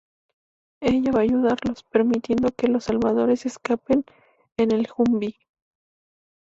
Ella va a ayudarlos, permitiendo que los salvadores escapen en el Humvee.